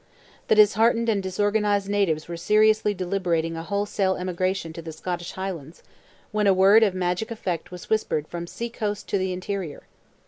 The disheartened and disorganized natives were seriously deliberating a wholesale emigration to the Scottish highlands, when a word of magic effect was whispered from the sea coast to the interior.